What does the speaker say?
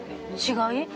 違い？